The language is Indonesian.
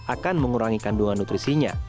akan mengurangi kandungan nutrisinya